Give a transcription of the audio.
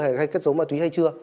hay cất giống ma túy hay chưa